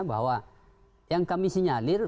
bahwa yang kami sinyalir